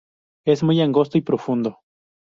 Es muy angosto y profundo.